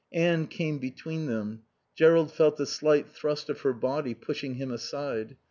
Anne came between them. Jerrold felt the slight thrust of her body pushing him aside.